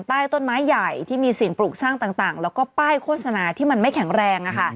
ใต้ต้นไม้ใหญ่ที่มีสิ่งปลูกสร้างต่างแล้วก็ป้ายโฆษณาที่มันไม่แข็งแรง